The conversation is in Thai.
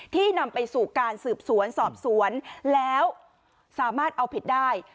นำไปสู่การสืบสวนสอบสวนแล้วสามารถเอาผิดได้